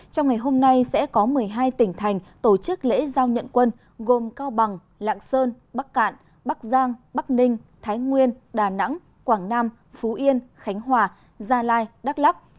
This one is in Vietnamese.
trong ngày hôm nay sẽ có một mươi hai tỉnh thành tổ chức lễ giao nhận quân gồm cao bằng lạng sơn bắc cạn bắc giang bắc ninh thái nguyên đà nẵng quảng nam phú yên khánh hòa gia lai đắk lắc